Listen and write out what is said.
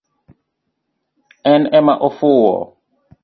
En ema ofuo